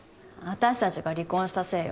私達が離婚したせいよ